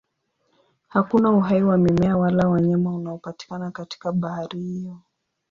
Hakuna uhai wa mimea wala wanyama unaopatikana katika bahari hiyo.